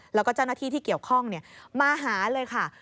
แล้วก็เจ้าหน้าที่ที่เกี่ยวข้องมาหาเลยค่ะ